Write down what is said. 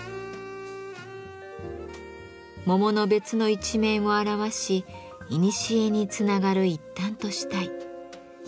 桃の別の一面を表しいにしえにつながる一端としたい。